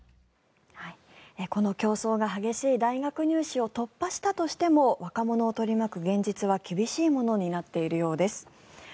この競争が激しい大学入試を突破したとしても若者を取り巻く現実は厳しいものになっているようです。